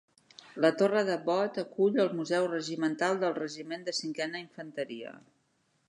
La torre d'Abbot acull el museu regimental del Regiment de cinquena Infanteria.